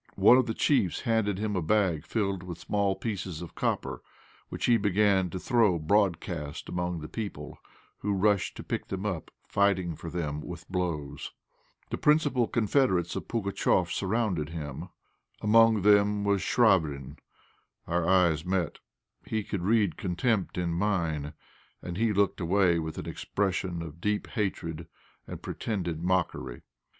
One of the chiefs handed him a bag filled with small pieces of copper, which he began to throw broadcast among the people, who rushed to pick them up, fighting for them with blows. The principal confederates of Pugatchéf surrounded him. Among them was Chvabrine. Our eyes met; he could read contempt in mine, and he looked away with an expression of deep hatred and pretended mockery.